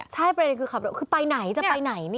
ใช่ประเด็นคือขับรถคือไปไหนจะไปไหน